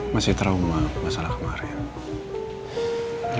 masih trauma masalah kemarin